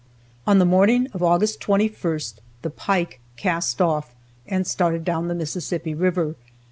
On the morning of August 21st, the "Pike" cast off, and started down the Mississippi river.